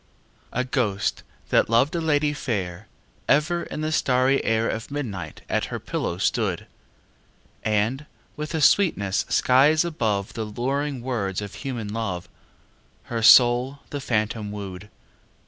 A ghost, that loved a lady fair, Ever in the starry air Of midnight at her pillow stood; And, with a sweetness skies above The luring words of human love, Her soul the phantom wooed.